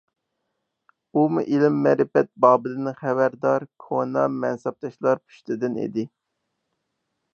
ئۇمۇ ئىلىم - مەرىپەت بابىدىن خەۋەردار كونا مەنسەپدارلار پۇشتىدىن ئىدى.